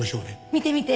見て見て！